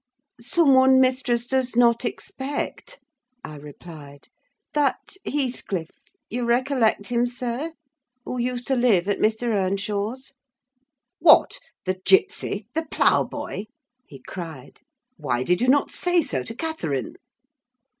"Some one mistress does not expect," I replied. "That Heathcliff—you recollect him, sir—who used to live at Mr. Earnshaw's." "What! the gipsy—the ploughboy?" he cried. "Why did you not say so to Catherine?"